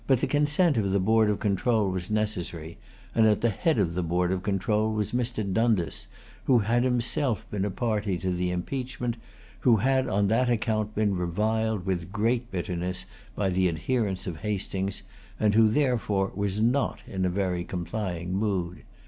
But the consent of the Board of Control was necessary; and at the head of the Board of Control was Mr. Dundas, who had himself been a party to the impeachment, who had, on that account, been reviled[Pg 237] with great bitterness by the adherents of Hastings, and who, therefore, was not in a very complying mood.